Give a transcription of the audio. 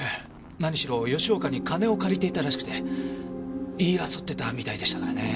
何しろ吉岡に金を借りていたらしくて言い争ってたみたいでしたからね。